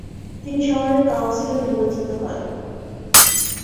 তিনি শহরের কাউন্সিলর নির্বাচিত হন।